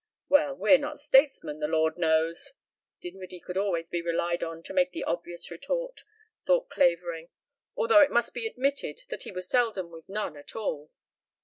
"Well, we're not statesmen, the lord knows." Dinwiddie could always be relied on to make the obvious retort, thought Clavering, although it must be admitted that he was seldom with none at all.